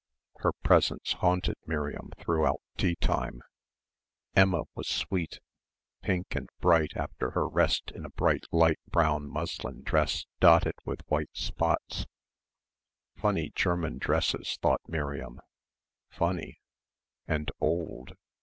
Her presence haunted Miriam throughout tea time. Emma was sweet, pink and bright after her rest in a bright light brown muslin dress dotted with white spots.... Funny German dresses, thought Miriam, funny ... and old.